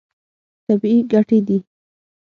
طبیعي ګټې دي.